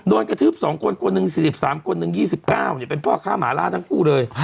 กระทืบ๒คนคนหนึ่ง๔๓คนหนึ่ง๒๙เป็นพ่อค้าหมาล่าทั้งคู่เลย